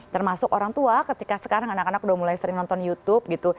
termasuk orang tua ketika sekarang anak anak udah mulai sering nonton youtube gitu